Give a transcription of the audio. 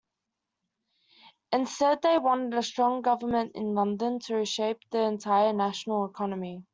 Instead they wanted a strong government in London to reshape the entire national economy.